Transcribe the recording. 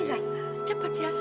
gila cepat ya